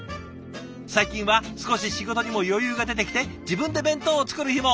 最近は少し仕事にも余裕が出てきて自分で弁当を作る日も。